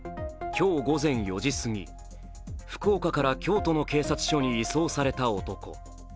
今日午前４時すぎ、福岡から京都の警察署に移送された男。